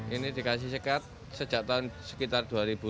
ini dikasih sekat sejak tahun sekitar dua ribu